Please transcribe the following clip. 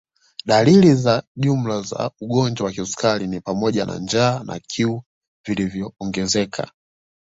Dalili za jumla za ugonjwa wa kisukari ni pamoja na jaa na kiu viliyoongezeka